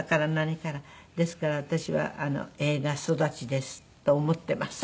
ですから私は映画育ちですと思っています。